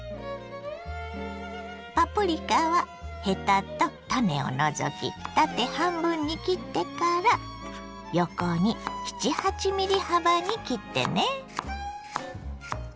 パプリカはヘタと種を除き縦半分に切ってから横に７８ｍｍ幅に切ってね。